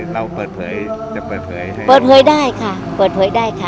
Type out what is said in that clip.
เราเปิดเผยจะเปิดเผยใช่ไหมเปิดเผยได้ค่ะเปิดเผยได้ค่ะ